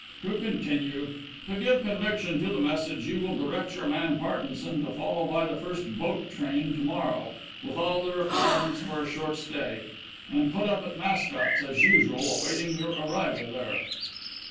To continue: To give conviction to the message you will direct your man Parkinson to follow by the first boat train to morrow, with all the requirements for a short stay, and put up at Mascot's, as usual, awaiting your arrival there."